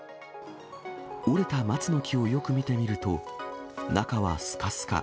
折れた松の木をよく見てみると、中はすかすか。